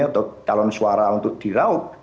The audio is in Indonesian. atau calon suara untuk diraut